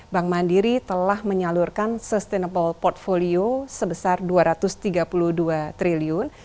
bank mandiri telah menyalurkan sustainable portfolio sebesar rp dua ratus tiga puluh dua triliun